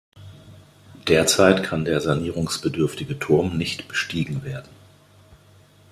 Derzeit kann der sanierungsbedürftige Turm nicht bestiegen werden.